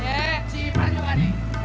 eh si pan juga nih